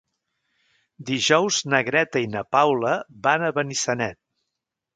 Dijous na Greta i na Paula van a Benissanet.